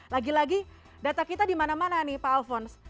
lagi lagi data kita di mana mana nih pak alphonse